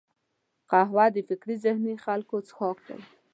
قهوه د فکري ذهیني خلکو څښاک دی